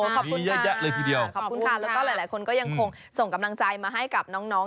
โอ้โฮขอบคุณค่ะแล้วก็หลายคนก็ยังคงส่งกำลังใจมาให้กับน้อง